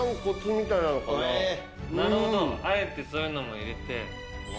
あえてそういうのも入れて。